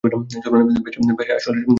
বেশ, আসলে, সম্ভব।